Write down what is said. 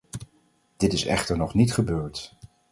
Dit is echter nog niet gebeurd.